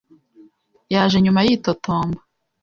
yaje nyuma yitotomba.